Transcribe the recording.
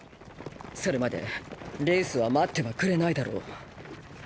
それまでレイスは待ってはくれないだろう。